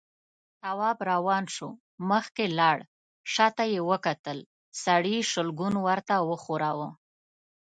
تواب روان شو، مخکې لاړ، شاته يې وکتل، سړي شلګون ورته وښوراوه.